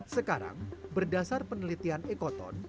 sekarang berdasar penelitian ekoton